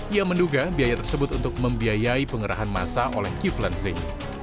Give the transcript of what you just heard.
ia menduga biaya tersebut untuk membiayai pengerahan masa oleh kiflan zin